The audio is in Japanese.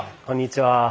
こんにちは。